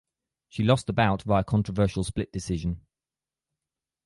She lost the bout via controversial split decision.